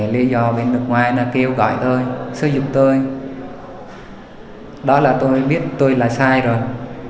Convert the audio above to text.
lý do bên nước ngoài là kêu gọi tôi sử dụng tôi đó là tôi biết tôi là sai rồi